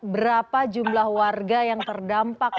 berapa jumlah warga yang terdampak